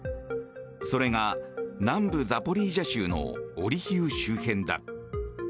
それが南部ザポリージャ州のオリヒウ周辺だ。